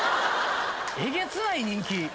えげつない人気。